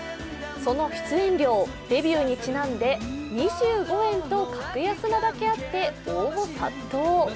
その出演料、デビューにちなんで２５円と格安なだけあって応募殺到。